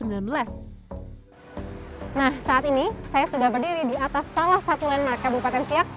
nah saat ini saya sudah berdiri di atas salah satu landmark kabupaten siak